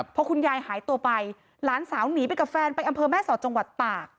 พอคุณยายหายตัวไปหลานสาวหนีไปกับแฟนไปอำเภอแม่สอดจังหวัดตาก